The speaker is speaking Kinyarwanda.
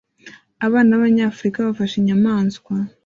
Abana b'Abanyafrika bafashe inyamanswa